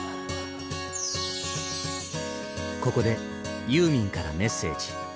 ここでユーミンからメッセージ。